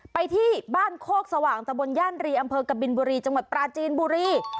ไปที่บ้านโคกสว่างตะบนย่านรีอำเภอกบินบุรีจังหวัดปราจีนบุรี